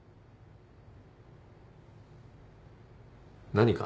何か？